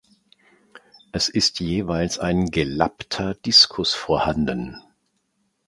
Es ist jeweils ein gelappter Diskus vorhanden.